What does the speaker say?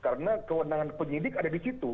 karena kewenangan penyidik ada di situ